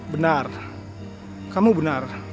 benar kamu benar